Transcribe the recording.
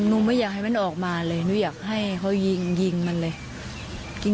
ไม่อยากให้มันออกมาเลยหนูอยากให้เขายิงยิงมันเลย